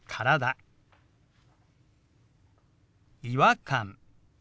「違和感」。